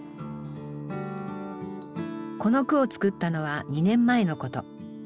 この句を作ったのは２年前のこと。